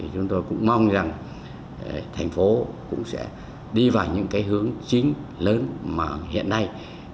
chúng tôi cũng mong rằng thành phố cũng sẽ đi vào những hướng chính lớn mà hiện nay